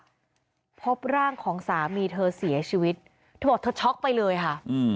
แล้วพบร่างของสามีเธอเสียชีวิตเธอบอกเธอช็อกไปเลยค่ะอืม